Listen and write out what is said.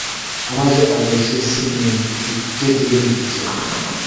Amoche apoisyen simennyu kitikin kityo